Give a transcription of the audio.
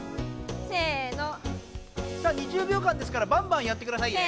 さあ２０秒間ですからバンバンやってくださいね。